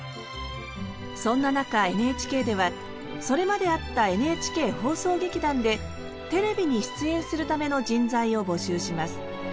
そんな中ＮＨＫではそれまであったＮＨＫ放送劇団でテレビに出演するための人材を募集します。